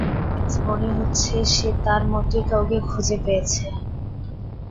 Guys, মনে হচ্ছে সে তার মতোই কাউকে খুঁজে পেয়েছে।